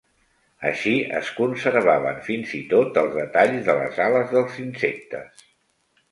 Així es conservaven fins i tot els detalls de les ales dels insectes.